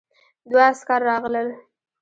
دوه عسکر راغلل.